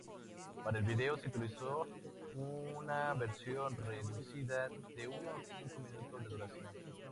Para el vídeo, se utilizó una versión reducida, de unos cinco minutos de duración.